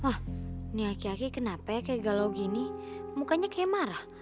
hahaha yah cinta kekstrom sih mau tonton yang terima nih